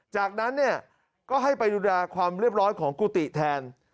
จากนั้นเนี่ยก็ให้ไปดูแลความเรียบร้อยของกุฏิแทน